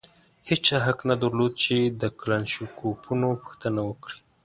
هېچا حق نه درلود چې د کلاشینکوفونو پوښتنه وکړي.